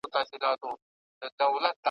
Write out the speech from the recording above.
له سړي چي لاره ورکه سي ګمراه سي `